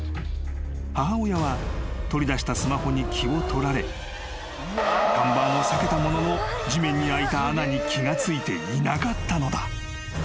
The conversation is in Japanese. ［母親は取り出したスマホに気を取られ看板を避けたものの地面に開いた穴に気が付いていなかったのだ］